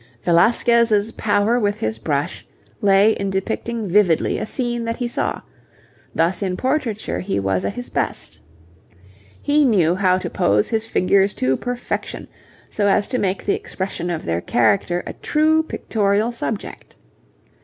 Velasquez's power with his brush lay in depicting vividly a scene that he saw; thus in portraiture he was at his best. He knew how to pose his figures to perfection, so as to make the expression of their character a true pictorial subject.